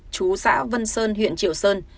chú xã vân sơn huyện triệu sơn